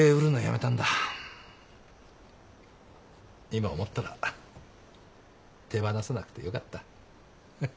今思ったら手放さなくてよかった。